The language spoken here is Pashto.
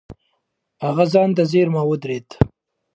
هغه ځان ته څېرمه ودرېد.